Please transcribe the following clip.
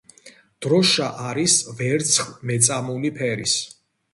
დროშა არის ვერცხლ-მეწამული ფერის.